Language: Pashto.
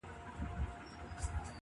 o حقيقت لا هم مبهم پاتې دی,